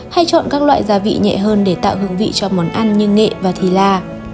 hay chọn các loại gia vị nhẹ hơn để tạo hương vị cho món ăn như nghệ và thịt la